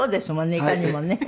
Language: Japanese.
いかにもね。